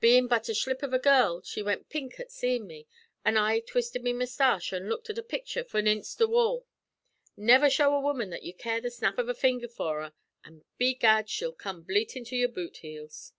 Bein' but a shlip av a girl, she went pink at seein' me, an' I twisted me mustache an' looked at a picture forninst the wall. Never show a woman that ye care the snap av a finger for her, an', begad, she'll come bleatin' to your boot heels."